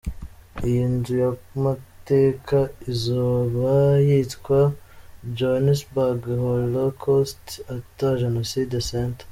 Iyi nzu y’amateka izaba yitwa Johannesburg Holocaust and Genocide Centre.